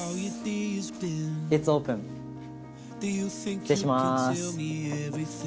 失礼します。